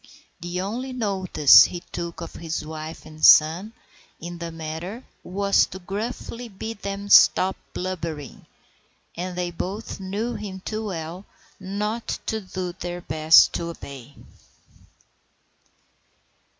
The only notice he took of his wife and son in the matter was to gruffly bid them "stop blubbering;" and they both knew him too well not to do their best to obey.